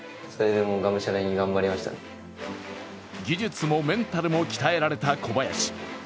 技術もメンタルも鍛えられた小林。